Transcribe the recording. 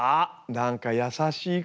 何か優しい声。